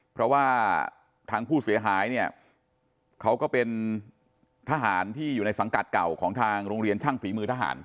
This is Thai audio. เพราะว่าทางผู้เสียหายเนี่ยเขาก็เป็นทหารที่อยู่ในสังกัดเก่าของทางโรงเรียนช่างฝีมือทหาร